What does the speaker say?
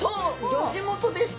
ギョ地元でした。